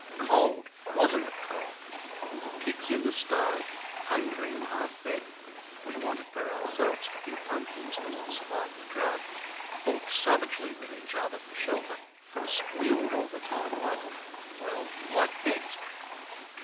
Cold! was n't it cold! The pigs in the sty, hungry and half fed (we wanted for ourselves the few pumpkins that had survived the drought) fought savagely with each other for shelter, and squealed all the time like well, like pigs.